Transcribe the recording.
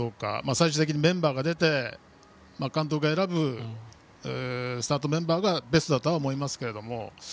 最終的に監督が選ぶスタートメンバーがベストだとは思いますが。